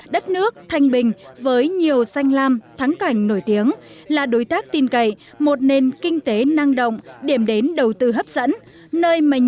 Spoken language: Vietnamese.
đất nước thanh bình với nhiều xanh lam thắng cảnh nổi tiếng là đối tác tin cậy một nền kinh tế năng động điểm đến đầu tư hấp dẫn